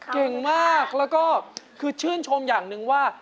เก่งมากแล้วก็คือชื่นชมอย่างหนึ่งว่า